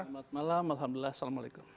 selamat malam alhamdulillah assalamualaikum